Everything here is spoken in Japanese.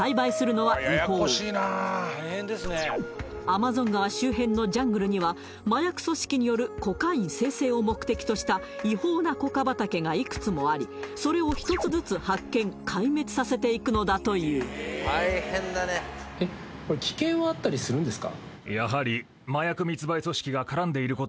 アマゾン川周辺のジャングルには麻薬組織によるコカイン精製を目的とした違法なコカ畑がいくつもありそれを一つずつ発見壊滅させていくのだというやはりあります